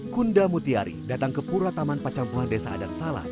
kunda mutiari datang ke purwataman pacampuhan desa adang salat